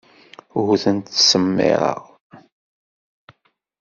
Ur tent-ttsemmiṛeɣ.